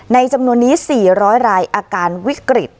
จำนวนนี้๔๐๐รายอาการวิกฤต